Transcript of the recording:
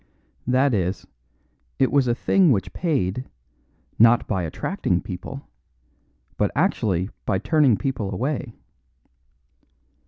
That is, it was a thing which paid not by attracting people, but actually by turning people away.